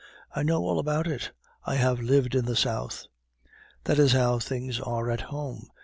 I know all about it; I have lived in the south. "That is how things are at home.